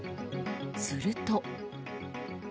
すると。